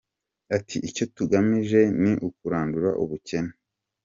Ati " Icyo tugamije ni ukurandura ubukene.